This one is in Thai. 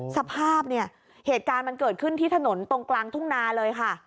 สภาพเนี่ยเหตุการณ์มันเกิดขึ้นที่ถนนตรงกลางทุ่งนาเลยค่ะ